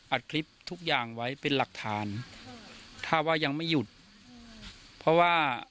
อัดคลิปทุกอย่างไว้เป็นหลักฐานถ้าว่ายังไม่หยุดเพราะว่า